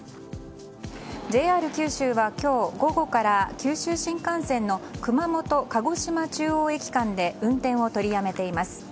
ＪＲ九州は、今日午後から九州新幹線の熊本鹿児島中央駅間で運転を取りやめています。